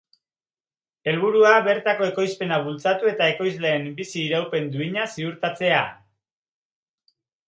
Helburua, bertako ekoizpena bultzatu eta ekoizleen bizi iraupen duina ziurtatzea.